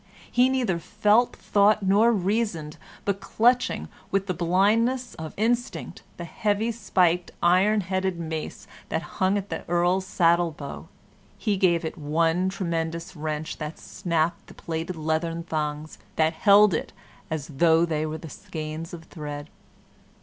He neither felt, thought, nor reasoned, but clutching, with the blindness of instinct, the heavy, spiked, iron headed mace that hung at the Earl's saddle bow, he gave it one tremendous wrench that snapped the plaited leathern thongs that held it as though they were skeins of thread.